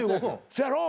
せやろ？